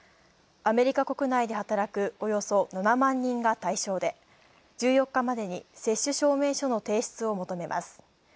アメリカ国内で働くおよそ７万人が対象で、１４日までに接種証明書の提出を求めます。